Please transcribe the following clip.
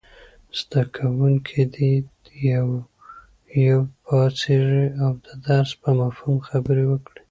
زده کوونکي دې یو یو پاڅېږي او د درس په مفهوم خبرې وکړي.